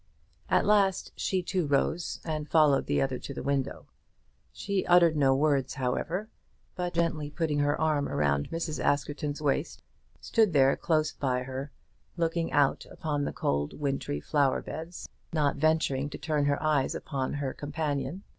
At last she too rose and followed the other to the window. She uttered no words, however, but gently putting her arm around Mrs. Askerton's waist, stood there close to her, looking out upon the cold wintry flower beds, not venturing to turn her eyes upon her companion.